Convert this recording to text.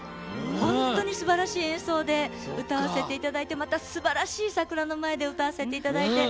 本当にすばらしい演奏で歌わせていただいてまたすばらしい桜の前で歌わせていただいて。